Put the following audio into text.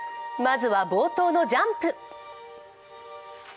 まずは、冒頭のジャンプ。